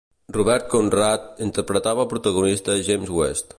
Robert Conrad interpretava al protagonista, James West.